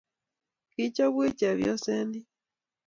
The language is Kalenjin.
Kiichobwech chebyoset nin.